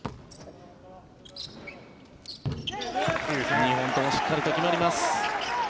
２本ともしっかりと決まります。